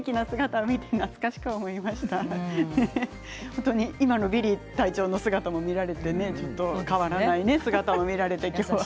本当に今のビリー隊長の姿も見られてね変わらない姿も見られて。